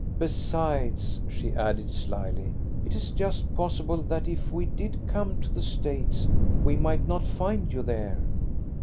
Besides," she added slyly, "it is just possible that if we did come to the States we might not find you there."